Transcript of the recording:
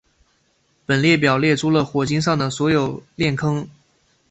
本列表列出了火星上的所有链坑。